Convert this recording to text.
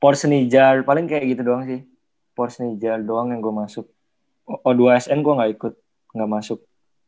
ports nijar paling kayak gitu doang sih ports nijar doang yang gue masuk o dua sn gue gak ikut gak masuk